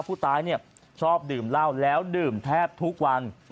ผู้ตายชอบดื่มเหล้าแล้วดื่มแทบทุกวัน